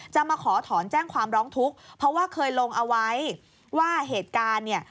มาขอถอนแจ้งความร้องทุกข์เพราะว่าเคยลงเอาไว้ว่าเหตุการณ์เนี่ย